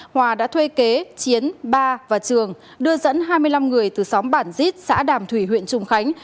hòa đã thuê kế chiến ba và trường đưa dẫn hai mươi năm người từ xóm bản dít xã đàm thủy huyện trùng khánh